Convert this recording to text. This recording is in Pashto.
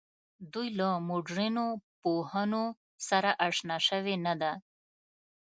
دوی له مډرنو پوهنو سره آشنا شوې نه ده.